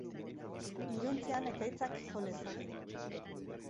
Iluntzean ekaitzak jo lezake.